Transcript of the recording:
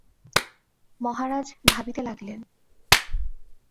মহারাজ ভাবিতে লাগিলেন।